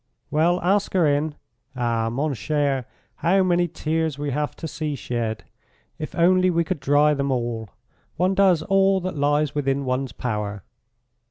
"Well, ask her in. Ah, mon cher, how many tears we have to see shed! If only we could dry them all. One does all that lies within one's power."